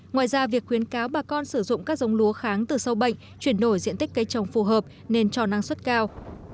ngoài ra việc khuyến cáo bà con sử dụng các giống lúa kháng từ sâu bệnh chuyển nổi diện tích cây trồng phù hợp nên cho năng suất cao